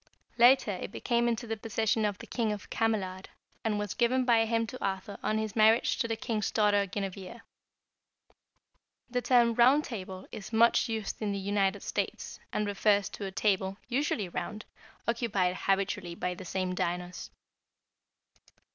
Later it came into the possession of the King of Camelard, and was given by him to Arthur on his marriage to the king's daughter Guinevere. The term Round Table is much used in the United States, and refers to a table, usually round, occupied habitually by the same diners.